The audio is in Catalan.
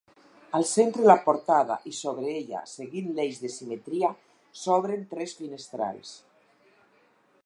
Al centre la portada i sobre ella seguint l'eix de simetria s'obren tres finestrals.